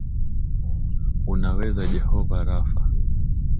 Unaweza Jehovah Rapha,